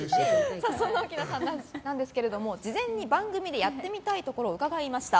そんな奥菜さんなんですけども事前に番組でやってみたいことを伺いました。